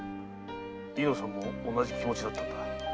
猪之さんも同じ気持ちだったんだ。